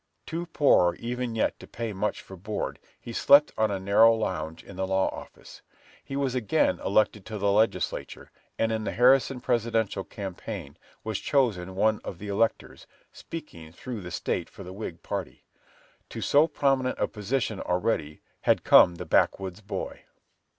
Too poor even yet to pay much for board, he slept on a narrow lounge in the law office. He was again elected to the legislature, and in the Harrison Presidential campaign, was chosen one of the electors, speaking through the State for the Whig party. To so prominent a position, already, had come the backwoods boy.